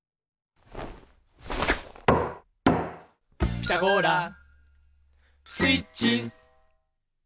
「ピタゴラスイッチ」